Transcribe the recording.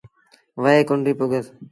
وهي ڪنريٚ پُڳس۔